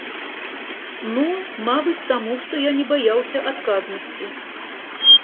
Ну, мабыць, таму што я не баяўся адказнасці.